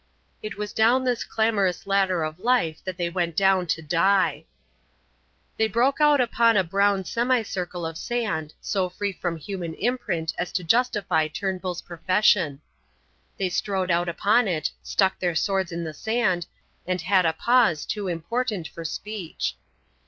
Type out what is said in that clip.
It was down this clamorous ladder of life that they went down to die. They broke out upon a brown semicircle of sand, so free from human imprint as to justify Turnbull's profession. They strode out upon it, stuck their swords in the sand, and had a pause too important for speech.